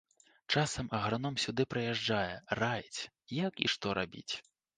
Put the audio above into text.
Часам аграном сюды прыязджае, раіць, як і што рабіць.